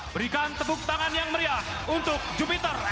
berikan tepuk tangan yang meriah untuk jupiter